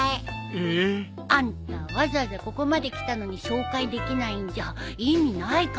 ええ。あんたわざわざここまで来たのに紹介できないんじゃ意味ないからね。